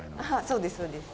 そうですそうです。